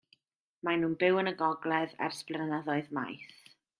Maen nhw'n byw yn y gogledd ers blynyddoedd maith.